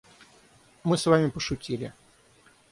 Мы с вами пошутили.